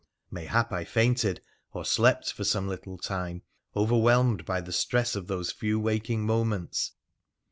Mayhap I fainted or slept for some little time, overwhelmed by the stress of those few waking moments.